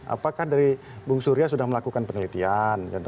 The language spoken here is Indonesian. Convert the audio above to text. apakah dari bung surya sudah melakukan penelitian